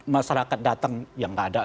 masyarakat datang yang nggak ada